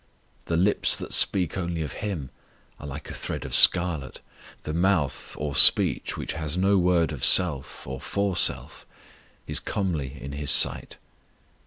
The lips that speak only of Him are like a thread of scarlet; the mouth or speech which has no word of self, or for self, is comely in His sight.